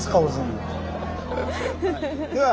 では